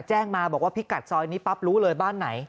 แจ้งมาบอกว่าพิกัดซอยนี้ปั๊บรู้เลยบ้านไหน